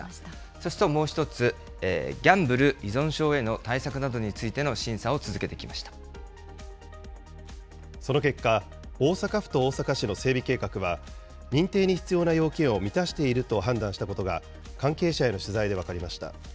それともう一つ、ギャンブル依存症への対策などについての審査を続その結果、大阪府と大阪市の整備計画は、認定に必要な要件を満たしていると判断したことが、関係者への取材で分かりました。